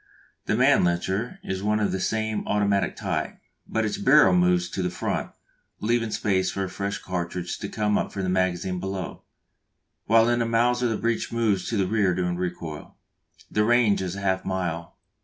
The Mannlicher is of the same automatic type, but its barrel moves to the front, leaving space for a fresh cartridge to come up from the magazine below, while in the Mauser the breech moves to the rear during recoil. The range is half a mile.